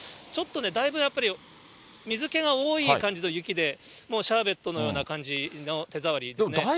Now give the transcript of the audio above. ちょっとね、だいぶやっぱり水けが多い感じの雪で、もうシャーベットのような感じの手触りですね。